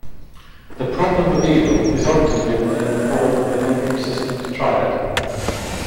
The problem of evil is often given in the form of an inconsistent triad.